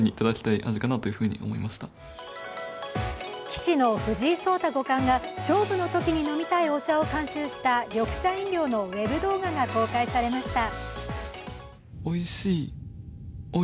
棋士の藤井聡太５冠が勝負のときに飲みたいお茶を監修した緑地飲料のウェブ動画が公開されました。